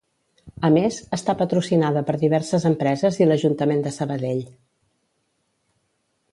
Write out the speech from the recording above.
A més, està patrocinada per diverses empreses i l'Ajuntament de Sabadell.